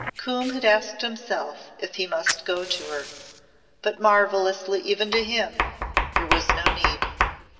Coombe had asked himself if he must go to her. But, marvellously even to him, there was no need.